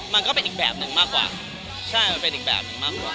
มันก็เป็นอีกแบบหนึ่งมากกว่าใช่มันเป็นอีกแบบหนึ่งมากกว่า